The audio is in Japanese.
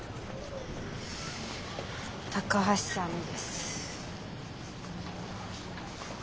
高橋さんです。